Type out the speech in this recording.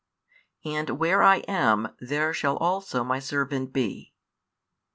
And where I am, there shall also My servant be.